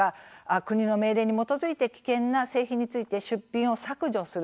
国の命令に基づいて危険な製品について出品を削除する